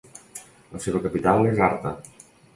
La seva capital és Arta.